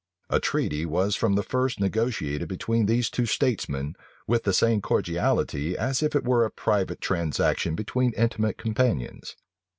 A treaty was from the first negotiated between these two statesmen with the same cordiality as if it were a private transaction between intimate companions.